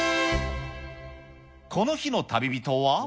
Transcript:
この日の旅人は。